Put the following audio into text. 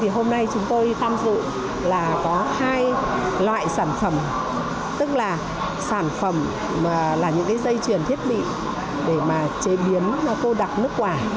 hôm nay chúng tôi tham dự là có hai loại sản phẩm tức là sản phẩm là những dây chuyển thiết bị để chế biến cô đặc nước quả